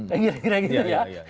kan kira kira gitu ya